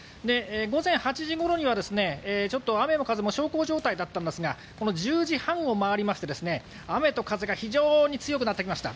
午前８時ごろにはちょっと雨も風も小康状態だったんですがこの１０時半を回りまして雨と風が非常に強くなってきました。